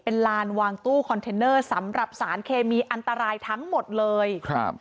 เป็นลานวางตู้คอนเทนเนอร์สำหรับสารเคมีอันตรายทั้งหมดเลยครับ